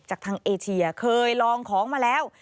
จากทางเอเชียเคยลองของมาแล้ว